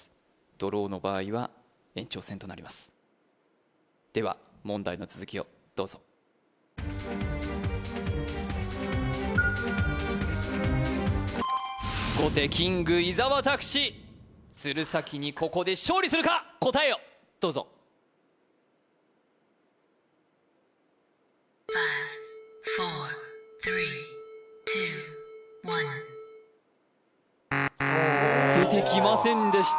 ドローの場合は延長戦となりますでは問題の続きをどうぞキング伊沢拓司鶴崎にここで勝利するか答えをどうぞ出てきませんでした